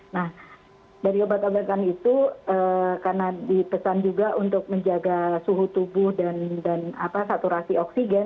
nah dari obat obatan itu karena dipesan juga untuk menjaga suhu tubuh dan saturasi oksigen